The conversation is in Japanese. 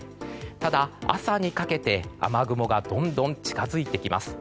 ただ朝にかけて雨雲がどんどん近づいてきます。